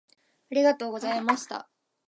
ありがとうございました。